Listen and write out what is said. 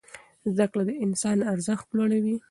زده کړه د انسان ارزښت لوړوي.